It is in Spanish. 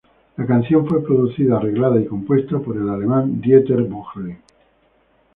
La canción fue producida, arreglada y compuesta por el alemán Dieter Bohlen.